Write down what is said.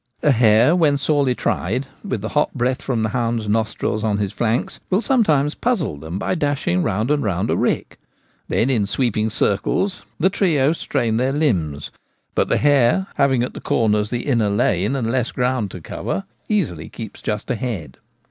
A hare when sorely tried with the hot breath from the hounds' nostrils on his flanks, will sometimes puzzle them by dashing round and round a rick. Then in sweeping circles the trio strain their limbs, but the hare, having at the corners the inner side and less ground to cover, easily keeps just ahead.